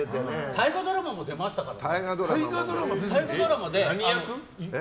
大河ドラマも出ましたからね。